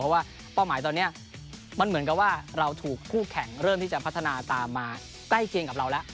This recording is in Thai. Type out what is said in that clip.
เพราะว่าเป้าหมายตอนนี้มันเหมือนกับว่าเราถูกคู่แข่งเริ่มที่จะพัฒนาตามมาใกล้เคียงกับเราแล้ว